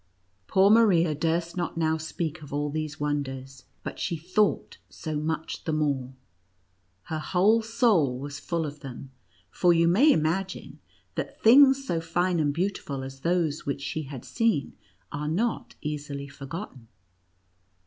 Poor Maria durst not now speak of all these wonders, but she thought so much the more. Her whole soul was full of them ; for you may imagine, that things so fine and beautiful as those which she had seen are not easily forgotten.